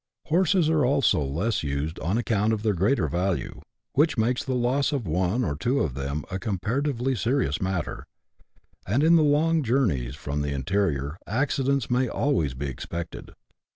Horses are also less used on account of their greater value, which makes the loss of one or two of them a comparatively serious matter ; and, in the long journeys from the interior, accidents may always be expected.